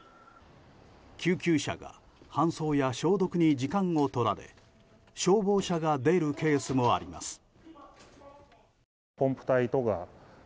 救急車が搬送や消毒に時間を取られ消防車が出るケースもあります。